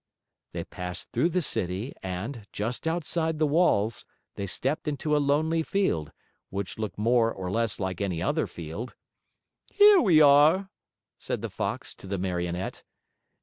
They passed through the city and, just outside the walls, they stepped into a lonely field, which looked more or less like any other field. "Here we are," said the Fox to the Marionette.